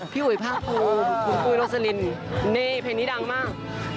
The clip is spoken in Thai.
พี่โอยพรธูรกุโลซิลินนี่เพลงนี้ดังมาก